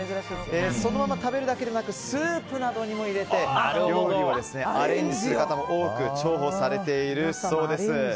そのまま食べるだけでなくスープなどにも入れて料理をアレンジする方も多く重宝されているそうです。